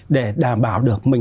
để đảm bảo được